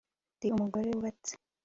Ndi umugore wubatse